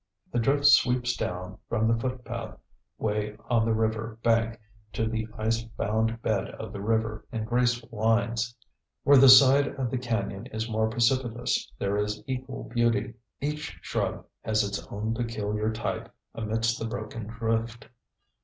The drift sweeps down from the footpath way on the river bank to the ice bound bed of the river in graceful lines. Where the side of the cañon is more precipitous there is equal beauty. Each shrub has its own peculiar type amidst the broken drift.